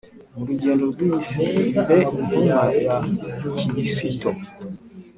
Mu rugendo rw'iyi si, Mbe intumwa ya Krisito,